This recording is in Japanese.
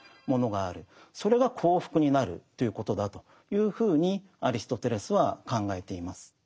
それが幸福になるということだというふうにアリストテレスは考えています。